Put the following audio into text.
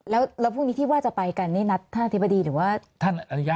แล้วพรุ่งนี้ที่ว่าจะไปกันนี่นัทอธิบดีหรือว่า